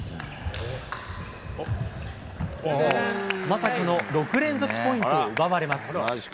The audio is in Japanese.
まさかの６連続ポイントを奪われます。